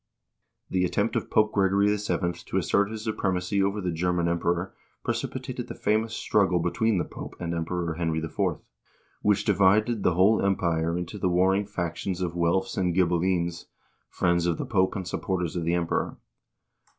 The attempt of Pope Gregory VII. to assert his supremacy over the German Emperor precipitated the famous struggle between the Pope and Emperor Henry IV., which divided the whole Empire into the warring factions of Welfs and Ghibellines, friends of the Pope and supporters of the Emperor.